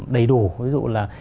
đầy đủ ví dụ là